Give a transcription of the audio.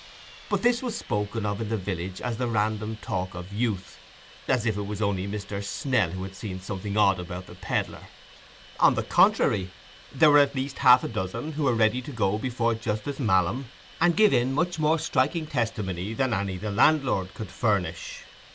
But this was spoken of in the village as the random talk of youth, "as if it was only Mr. Snell who had seen something odd about the pedlar!" On the contrary, there were at least half a dozen who were ready to go before Justice Malam, and give in much more striking testimony than any the landlord could furnish.